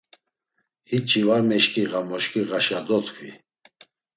Hiçi var meşǩiğa moşǩiğaşa dot̆ǩvi.